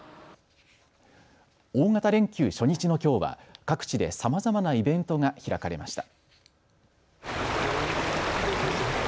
大型連休初日のきょうは各地でさまざまなイベントが開かれました。